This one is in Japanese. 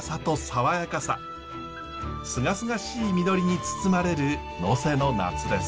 すがすがしい実りに包まれる能勢の夏です。